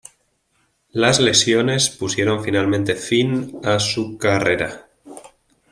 Las lesiones pusieron finalmente fin a su carrera.